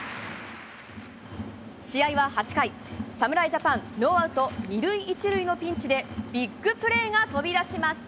試合は８回、侍ジャパン、ノーアウト２塁１塁のピンチで、ビッグプレーが飛び出します。